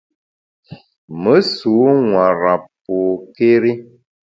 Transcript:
Me nsu nwera pôkéri.